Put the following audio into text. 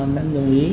mẹ em dùng ý